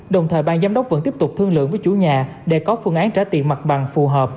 đồng thời ban giám đốc vẫn tiếp tục thương lượng với chủ nhà để có phương án trả tiền mặt bằng phù hợp